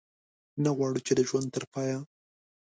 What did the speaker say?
نه غواړو چې د ژوند تر پایه.